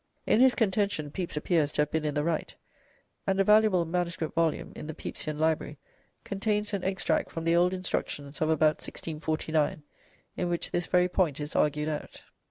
In his contention Pepys appears to have been in the right, and a valuable MS. volume in the Pepysian library contains an extract from the Old Instructions of about 1649, in which this very point is argued out.